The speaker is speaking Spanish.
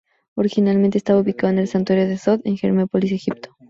Originariamente estaba ubicado en el santuario de Tot en Hermópolis, Egipto.